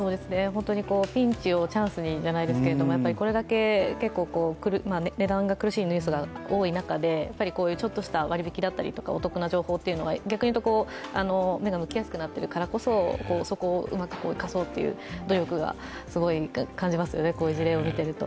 ピンチをチャンスにじゃないですが、これだけ値段が苦しいニュースが多い中でちょっとした割引だったりとかお得な情報というのは逆にいうと目が向きやすくなっているからこそそこをうまく生かそうという努力をすごく感じますね、こういう事例を見ていると。